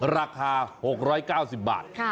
ราคา๖๙๐บาท